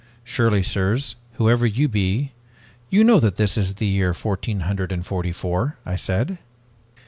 'Surely, sirs, whoever you be, you know that this is the year fourteen hundred and forty four,' I said.